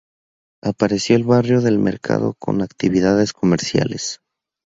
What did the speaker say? Apareció el barrio del Mercado, con actividades comerciales.